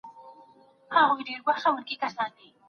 چېري مرستندویه ډلي له خنډونو سره مخ کیږي؟